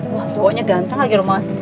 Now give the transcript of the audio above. wah cowoknya ganteng lagi rumahnya